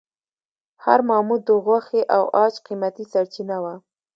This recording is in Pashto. هر ماموت د غوښې او عاج قیمتي سرچینه وه.